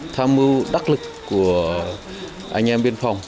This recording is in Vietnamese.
tham mưu đắc lực của anh em biên phòng